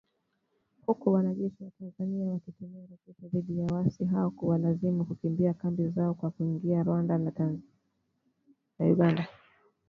Huku wanajeshi wa Tanzania wakitumia roketi dhidi ya waasi hao na kuwalazimu kukimbia kambi zao na kuingia Uganda na Rwanda.